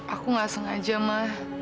aku nggak sengaja ma